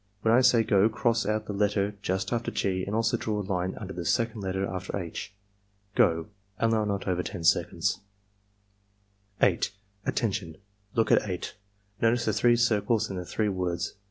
When I say 'go' cross out the letter just after G and also draw a line under the second letter after H. — Go!" (Allow not over 10 seconds.) 8. "Attention! Look at 8. Notice the three circles and the three words.